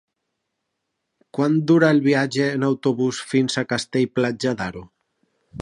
Quant dura el viatge en autobús fins a Castell-Platja d'Aro?